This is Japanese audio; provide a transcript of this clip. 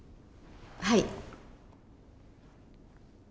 はい。